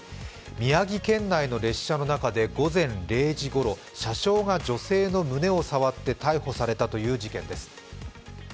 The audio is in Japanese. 宮城県内の列車の中で午前０時ごろ車掌が女性の胸を触って逮捕されたという事件です。